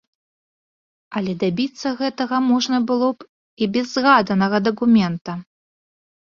Але дабіцца гэтага можна было б і без згаданага дакумента.